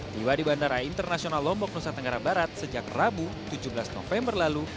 tiba di bandara internasional lombok nusa tenggara barat sejak rabu tujuh belas november lalu